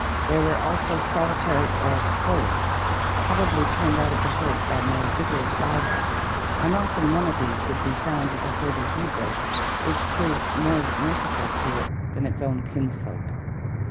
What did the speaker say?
There were also solitary oryx bulls, probably turned out of the herds by more vigorous rivals, and often one of these would be found with a herd of zebras which proved more merciful to it than its own kinsfolk.